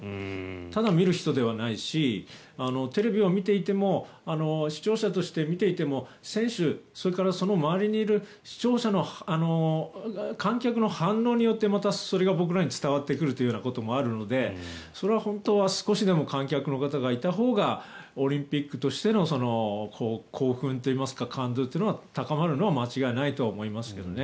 ただ見る人ではないしテレビを見ていても視聴者として見ていても選手、それからその周りにいる観客の反応によってまたそれが僕らに伝わってくることもあるのでそれは本当は少しでも観客の方がいたほうがオリンピックとしての興奮といいますか感動が高まるのは間違いないと思いますけどね。